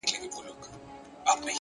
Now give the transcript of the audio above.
د نورو بریا ستایل سترتوب دی